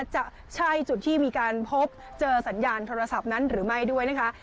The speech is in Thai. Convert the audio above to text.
จะใช่จุดที่มีการพบเจอสัญญาณโทรศัพท์นั้นหรือไม่ด้วยนะคะ